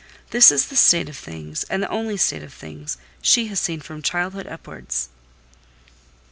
This is the state of things, and the only state of things, she has seen from childhood upwards."